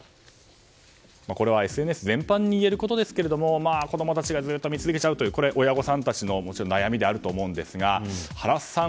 これはＳＮＳ全般に言えることですけど子供たちがずっと見すぎちゃうというこれ、親御さんたちの悩みだと思いますが原さん